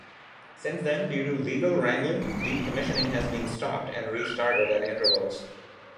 Since then, due to legal wrangling, decommissioning has been stopped and restarted at intervals.